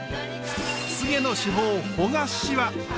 都の至宝ほがしわ。